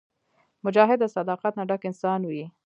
مجاهد د صداقت نه ډک انسان وي.